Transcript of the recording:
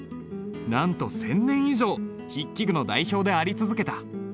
なんと１，０００年以上筆記具の代表であり続けた。